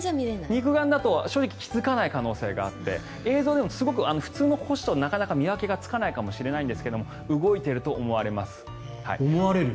肉眼だと正直気付かない可能性があって映像でもすごく普通の星となかなか見分けがつかないかもしれませんが動いていると思われます。